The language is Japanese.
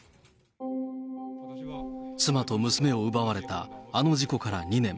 妻と娘を奪われたあの事故から２年。